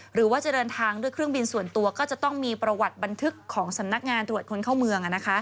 หรือว่าจะเดินทางด้วยเครื่องบินส่วนตัวก็จะต้องมีประวัติบันทึกของสำนักงานตรวจคนเข้าเมือง